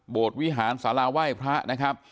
วิหารสาราไหว้พระนะครับ